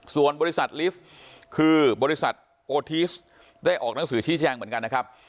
ส่วนบริษัทลิฟต์คือบริษัทโอทีสได้ออกหนังสือชี้แจงเหมือนกันนะครับ